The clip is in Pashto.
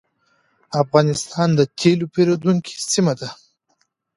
افغانستان د تېلو پېرودونکو سیمه وه.